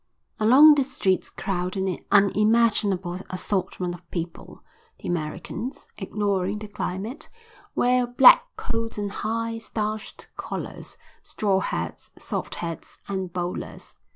Along the streets crowd an unimaginable assortment of people. The Americans, ignoring the climate, wear black coats and high, starched collars, straw hats, soft hats, and bowlers.